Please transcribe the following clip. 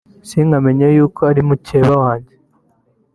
sinkamenye ko ari mukeba wanjye